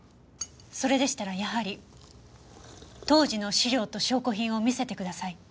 それでしたらやはり当時の資料と証拠品を見せてください。